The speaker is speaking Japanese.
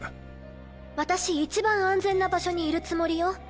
私一番安全な場所にいるつもりよ。